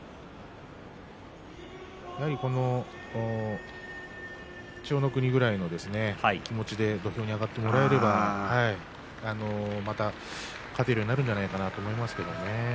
やはりこの千代の国ぐらいの気持ちで土俵に上がってもらえればまた勝てるようになるんじゃないかと思いますね。